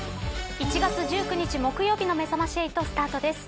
１月１９日木曜日のめざまし８スタートです。